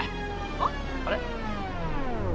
あっああ！